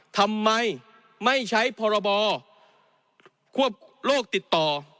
ทำไมไม่ใช้พรบควบโรคติดต่อ